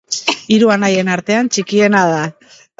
Hiru anaien artean txikiena da.